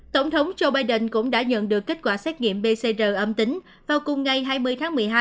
tổng thống joe biden cũng đã nhận được kết quả xét nghiệm pcr âm tính vào cùng ngày hai mươi tháng một mươi hai